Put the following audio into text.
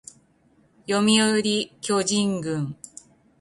読売巨人軍